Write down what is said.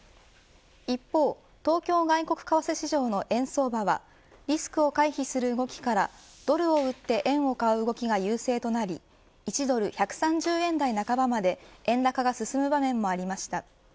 一方、東京外国為替市場の円相場はリスクを回避する動きからドルを売って円を買う動きが優勢となり１ドル１３０円台半ばまで円高が進む場面もありました。